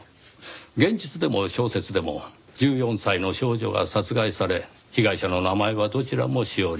現実でも小説でも１４歳の少女が殺害され被害者の名前はどちらもしおり。